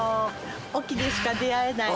隠岐でしか出会えない！